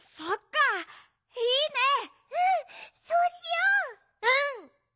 うん！